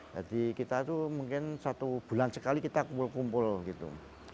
jadi kita itu mungkin satu bulan sekali kita kumpul kumpul gitu